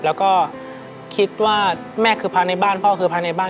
แล้วก็คิดว่าแม่คือพระในบ้านพ่อคือพระในบ้าน